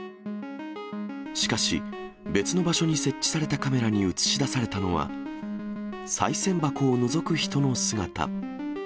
しかし、別の場所に設置されたカメラに写し出されたのは、さい銭箱をのぞく人の姿。